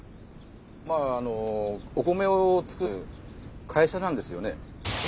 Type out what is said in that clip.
まああのお米を作る会社なんですよね。